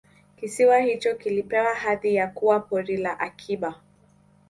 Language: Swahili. kisiwa hicho kilipewa hadhi ya kuwa Pori la Akiba